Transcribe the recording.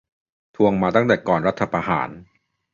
ทวงมาตั้งแต่ก่อนรัฐประหาร